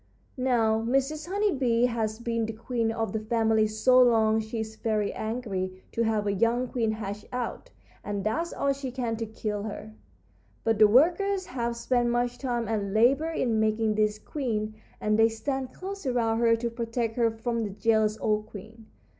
"Now, Mrs. Honey Bee has been the queen of the family so long she is very angry to have a young queen hatch out, and does all she can to kill her. But the workers have spent much time and labor in making this queen, and they stand close around her to protect her from the jealous old queen.